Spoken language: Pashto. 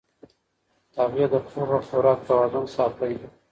هغې د خوب او خوراک توازن ساتي.